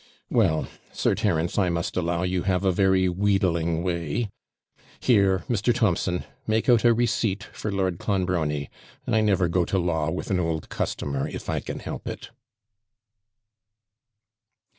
'Well, Sir Terence, I must allow you have a very wheedling way Here, Mr. Thompson, make out a receipt for Lord Clonbrony: I never go to law with an old customer, if I can help it.'